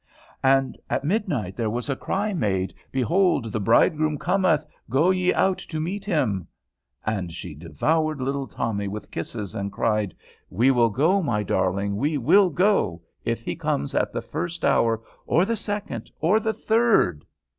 'And at midnight there was a cry made, Behold, the bridegroom cometh, go ye out to meet him;'" and she devoured little Tommy with kisses, and cried, "We will go, my darling, we will go, if he comes at the first hour, or the second, or the third!